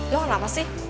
lo kenapa sih